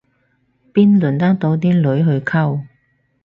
邊輪得到啲女去溝